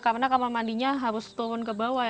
karena kamar mandinya harus turun ke bawah